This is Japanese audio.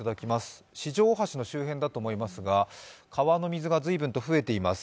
四条大橋の周辺だと思いますが川の水が随分と増えています。